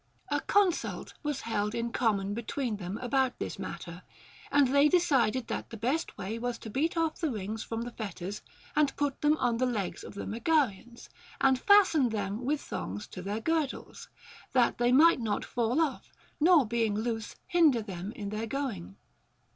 A consult was held in common between them about this matter, and they decided that the best way was to beat off the rings from the fetters, and put them on the legs of the Megarians, and fasten them with thongs to their girdles, that they might not fall off nor being loose hinder them in their going.